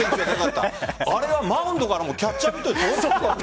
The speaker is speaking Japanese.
あれはマウンドからもキャッチャーミット。